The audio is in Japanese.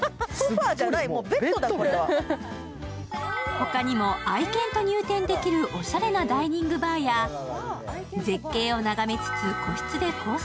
他にも愛犬と入店できるおしゃれなダイニングバーや絶景を眺めつつ個室でコース